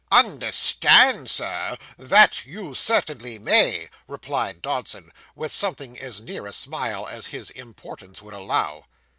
'Understand, sir! that you certainly may,' replied Dodson, with something as near a smile as his importance would allow.